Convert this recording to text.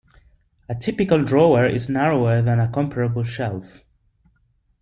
A typical drawer is narrower than a comparable shelf.